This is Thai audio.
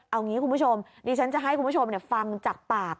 เอางี้คุณผู้ชมดิฉันจะให้คุณผู้ชมฟังจากปาก